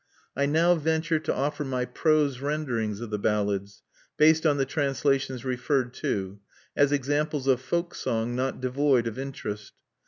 I now venture to offer my prose renderings of the ballads, based on the translations referred to, as examples of folk song not devoid of interest.